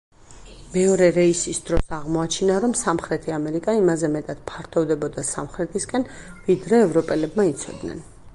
მეორე რეისის დროს აღმოაჩინა, რომ სამხრეთი ამერიკა იმაზე მეტად ფართოვდებოდა სამხრეთისკენ, ვიდრე ევროპელებმა იცოდნენ.